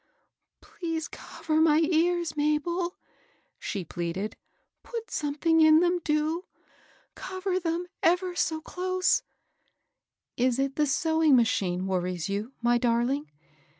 *' Please cover my ears, Mabel," she pleaded .*' put something in them, do !— cover them ever 80 close!" " Is it the sewing machine worries you, my dar ling?"